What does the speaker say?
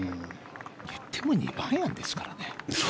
いっても２番アイアンですからね。